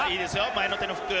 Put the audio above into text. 前の手のフック」。